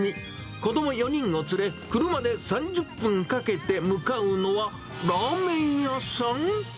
子ども４人を連れ、車で３０分かけて向かうのは、ラーメン屋さん？